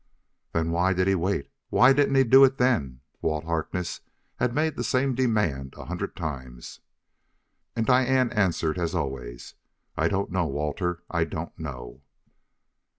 "Then why did he wait! Why didn't he do it then?" Walt Harkness had made the same demand a hundred times. And Diane answered as always: "I don't know, Walter, I don't know."